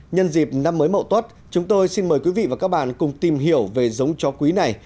nhân dịp năm mới mậu tuất chúng tôi xin mời quý vị và các bạn cùng tìm hiểu về giống chó quý này